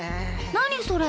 何それ？